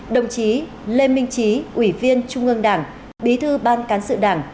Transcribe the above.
đồng chí lê minh trí ủy viên trung ương đảng bí thư ban cán sự đảng